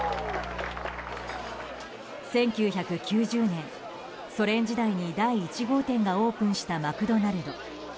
１９９０年ソ連時代に第１号店がオープンしたマクドナルド。